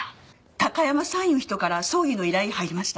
高山さんいう人から葬儀の依頼入りました。